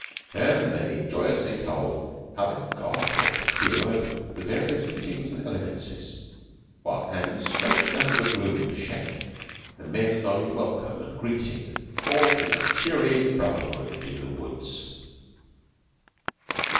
And they joyously told how they had got, or procured, the various fittings and elegancies, while hands stretched out of the gloom to shake, and men nodded welcome and greeting all through that cheery brotherhood in the woods.